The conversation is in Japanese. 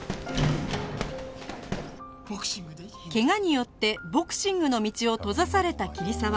怪我によってボクシングの道を閉ざされた桐沢